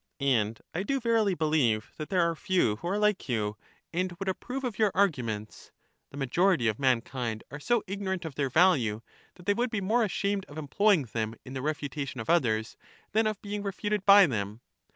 And I do verily believe that there are few who are like you, and would approve of your arguments; the majority of mankind are so ignorant of their value, that they would be more ashamed of employing them in the refutation of others than of being refuted by them.